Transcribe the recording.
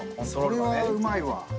それはうまいわ。